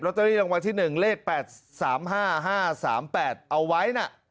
เตอรี่รางวัลที่๑เลข๘๓๕๕๓๘เอาไว้นะ